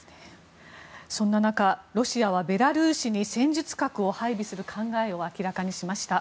そんな中、ロシアはベラルーシに戦術核を配備する考えを明らかにしました。